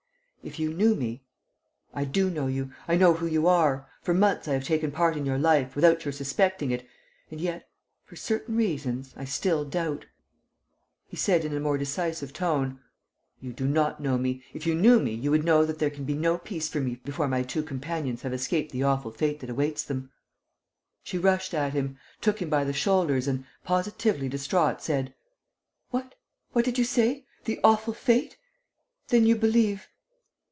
"If you knew me...." "I do know you.... I know who you are. For months, I have taken part in your life, without your suspecting it ... and yet, for certain reasons, I still doubt...." He said, in a more decisive tone: "You do not know me. If you knew me, you would know that there can be no peace for me before my two companions have escaped the awful fate that awaits them." She rushed at him, took him by the shoulders and positively distraught, said: "What? What did you say? The awful fate?... Then you believe